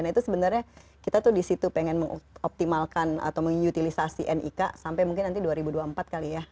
nah itu sebenarnya kita tuh disitu pengen mengoptimalkan atau mengutilisasi nik sampai mungkin nanti dua ribu dua puluh empat kali ya